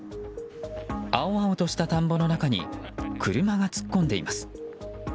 青々とした田んぼの中に車が突っ込んでいます。